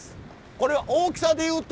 これは大きさでいうと？